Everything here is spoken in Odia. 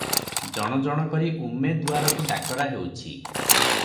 ଜଣ ଜଣ କରି ଉମେଦୁଆରକୁ ଡାକରା ହେଉଛି ।